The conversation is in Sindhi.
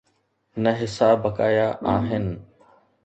نه حصا بقايا آهن.